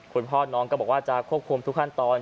คุณพ่อน้องก็บอกว่าจะควบคุมทุกขั้นตอน